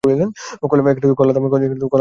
কলার দাম কম।